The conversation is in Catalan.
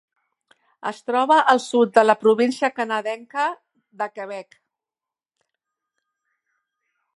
Es troba al sud de la província canadenca del Quebec.